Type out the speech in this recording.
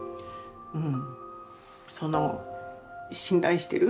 うん。